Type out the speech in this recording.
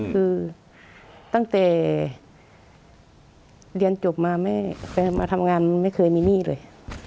คือตั้งแต่เรียนจบมาแม่มาทำงานไม่เคยมีหนี้เลย